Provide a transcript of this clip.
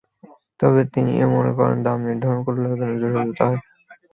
তবে তিনি এ-ও মনে করেন, দাম নির্ধারণ করলেও একধরনের জটিলতা হয়।